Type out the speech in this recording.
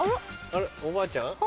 あらおばあちゃん？